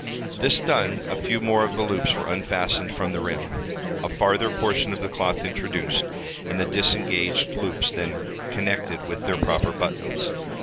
This done, a few more of the loops were unfastened from the rim, a farther portion of the cloth introduced, and the disengaged loops then connected with their proper buttons.